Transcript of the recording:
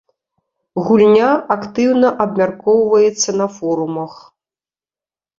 Гульня актыўна абмяркоўваецца на форумах.